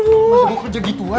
masa gue kerja gitu aja sih